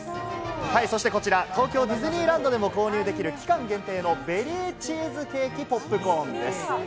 こちら、東京ディズニーランドでも購入できる期間限定のベリーチーズケーキポップコーンです。